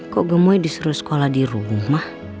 kok gemui disuruh sekolah di rumah